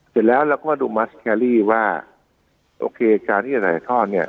เสร็จแล้วเราก็มาดูว่าโอเคจานที่จะไถ่ทอดเนี่ย